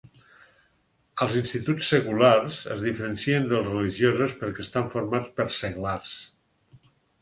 Els instituts seculars es diferencien dels religiosos perquè estan formats per seglars.